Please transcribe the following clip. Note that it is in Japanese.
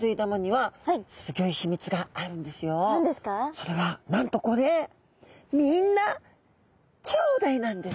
それはなんとこれみんなきょうだいなんです。